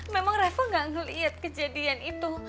memang reva gak ngeliat kejadian itu